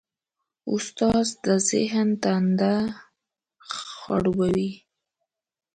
استاد د ذهن تنده خړوبوي.